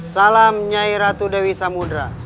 salam nyai ratu dewi samudera